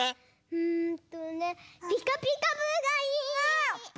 うんとね「ピカピカブ！」がいい！